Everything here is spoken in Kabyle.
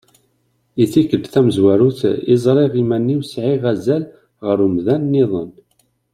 I tikkelt tamezwarut i ẓriɣ iman-iw sɛiɣ azal ɣer umdan-nniḍen.